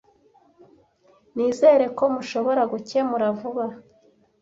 Nizere ko mushobora gukemura vuba.